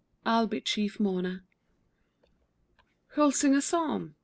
I'll be chief mourner. Who'll sing a psalm?